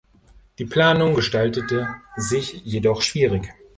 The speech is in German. Die Planung gestaltete sich jedoch schwierig.